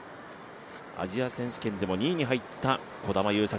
アジア選手権でも２位に入った児玉悠作